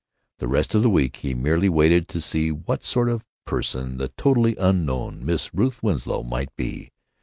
The rest of the week he merely waited to see what sort of person the totally unknown Miss Ruth Winslow might be.